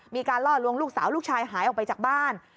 มีการล่อลวงลูกสาวลูกชายหายออกไปจากบ้าน